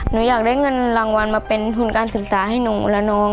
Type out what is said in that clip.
หนูอยากได้เงินรางวัลมาเป็นทุนการศึกษาให้หนูและน้อง